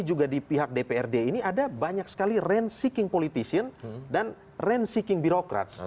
juga di pihak dprd ini ada banyak sekali rancor politik dan rancor birokrat